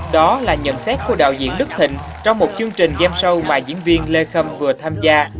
đó là nhận xét của đạo diễn đức thịnh trong một chương trình game show mà diễn viên lê khâm vừa tham gia